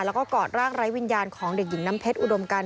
แล้วก็กอดร่างไร้วิญญาณของเด็กหญิงน้ำเพชรอุดมกัน